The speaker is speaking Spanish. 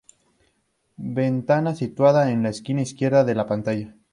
Ventana situada en la esquina izquierda de la pantalla.